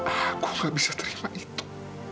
aku gak bisa terima itu